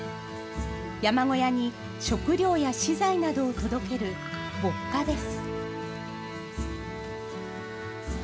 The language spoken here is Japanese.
山小屋に食料や資材などを届ける、歩荷です。